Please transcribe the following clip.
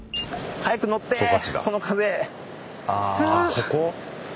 ここ？